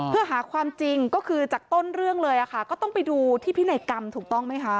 เพื่อหาความจริงก็คือจากต้นเรื่องเลยค่ะก็ต้องไปดูที่พินัยกรรมถูกต้องไหมคะ